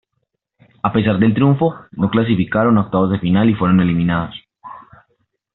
A pesar del triunfo, no clasificaron a octavos de final y fueron eliminados.